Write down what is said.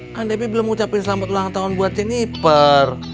kan debbie belum ngucapin selamat ulang tahun buat jennifer